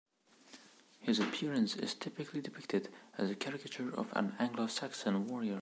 His appearance is typically depicted as a caricature of an Anglo-Saxon warrior.